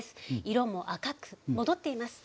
色も赤く戻っています。